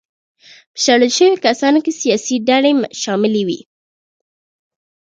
په شړل شویو کسانو کې سیاسي ډلې شاملې وې.